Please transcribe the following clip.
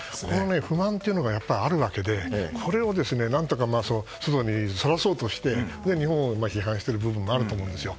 不満というのがあるわけでこれを何とか外にそらそうとして日本を批判してる部分もあると思うんですよ。